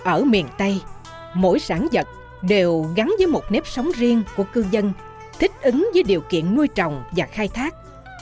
ở miền tây mỗi sản vật đều gắn với một nếp sống riêng của cư dân thích ứng với điều kiện nuôi trồng và khai thác